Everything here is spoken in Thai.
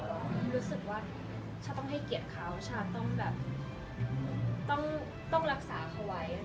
รู้สึกว่าฉันต้องให้เกียรติเขาฉันต้องรักษาเขาไว้